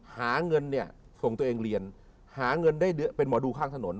หาเงินเนี่ยส่งตัวเองเรียนหาเงินได้เป็นหมอดูข้างถนน